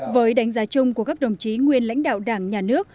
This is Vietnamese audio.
với đánh giá chung của các đồng chí nguyên lãnh đạo đảng nhà nước